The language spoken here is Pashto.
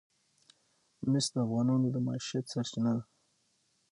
مس د افغانانو د معیشت سرچینه ده.